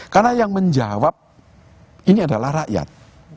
karena yang menjawab ini adalah rakyat